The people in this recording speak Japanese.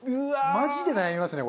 マジで悩みますね